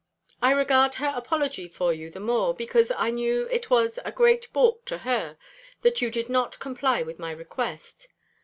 I regard her apology for you the more, because I knew it was a great baulk to her, that you did not comply with my request.